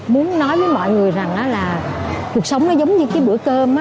muốn nói với mọi người rằng là cuộc sống nó giống như cái bữa cơm